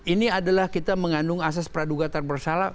ini adalah kita mengandung asas praduga tanpa salah